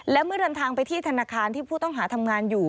และเมื่อเดินทางไปที่ธนาคารที่ผู้ต้องหาทำงานอยู่